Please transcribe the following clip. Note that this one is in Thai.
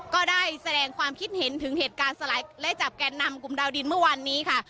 ก็ได้แสดงความคิดเห็นถึงเหตุการณ์สลายและจับแกนนำกลุ่มดาวดินเมื่อวานนี้ค่ะ